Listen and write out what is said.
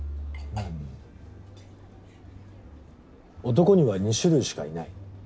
男には２種類しかいない。